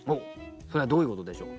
それはどういうことでしょう？